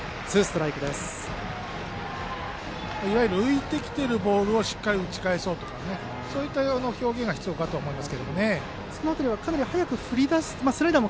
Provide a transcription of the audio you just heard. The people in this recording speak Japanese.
いわゆる浮いてきているボールをしっかり打ち返そうというそういった表現が必要かなと思います。